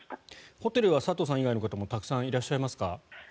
ホテルは佐藤さん以外の方もたくさんいらっしゃいますか？